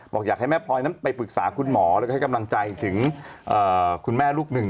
บอกอยากให้แม่พลอยนั้นไปปรึกษาคุณหมอแล้วก็ให้กำลังใจถึงคุณแม่ลูกหนึ่ง